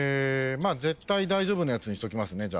絶対大丈夫なやつにしときます。